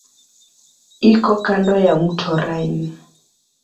Iko kando ya mto Rhine.